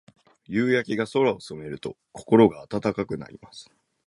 夕焼けが空を染めると、心が温かくなります。